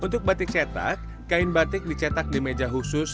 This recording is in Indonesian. untuk batik cetak kain batik dicetak di meja khusus